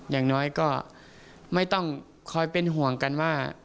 อย่างน้อยก็ไม่ต้องคอยเป็นห่วงกันว่า